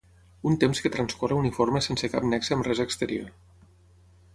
Un temps que transcorre uniforme sense cap nexe amb res exterior.